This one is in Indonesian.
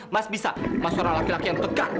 mas masih bisa bertahan